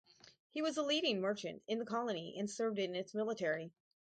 He was a leading merchant in the colony, and served in its military.